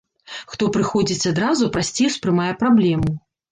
Хто прыходзіць адразу, прасцей успрымае праблему.